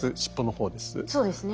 そうですね。